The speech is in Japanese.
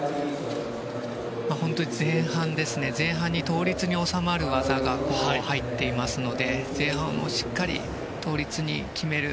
本当に前半に倒立に収まる技が入っていますので前半、しっかり倒立を決める。